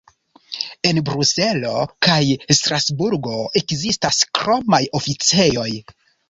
En Bruselo kaj Strasburgo ekzistas kromaj oficejoj.